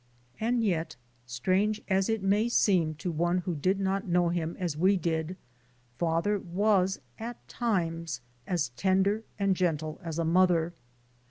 And yet, strange as it may seem to one who did not know him as we did, father was at times as tender and gentle as a mother.